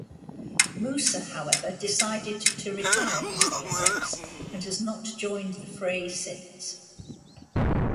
Musa, however, decided to retire from politics and has not joined the fray since.